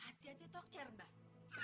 ngapain tuh mereka